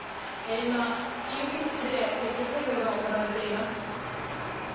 今、急ピッチで撤去作業が行われています。